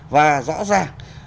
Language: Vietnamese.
và rõ ràng